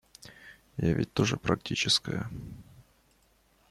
Я ведь тоже практическая.